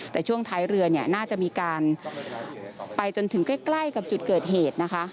แต่ช่วงท้ายเรือเนี่ยน่าจะมีการไปจนถึงใกล้กับจุดเกิดเหตุนะคะ